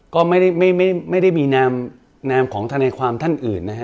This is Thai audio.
ก็ไม่ได้มีนามของทนายความท่านอื่นนะฮะ